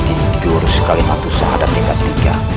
di jurus kalimatusah dan negatiga